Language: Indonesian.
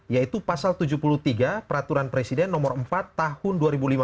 yaitu pasal tujuh puluh tiga peraturan presiden nomor empat tahun dua ribu lima belas